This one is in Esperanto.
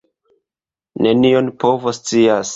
Nenion povoscias!